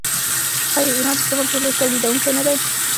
آیا ایران د سمنټو لوی تولیدونکی نه دی؟